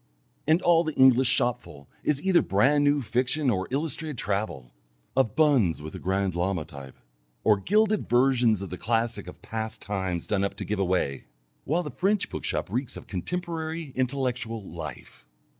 And all the English shopful is either brand new fiction or illustrated travel (of 'Buns with the Grand Lama' type), or gilded versions of the classics of past times done up to give away. While the French bookshop reeks of contemporary intellectual life!